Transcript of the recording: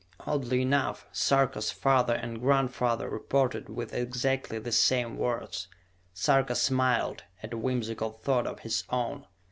Oddly enough, Sarka's father and grandfather reported with exactly the same words. Sarka smiled at a whimsical thought of his own.